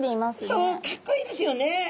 そうかっこいいですよね。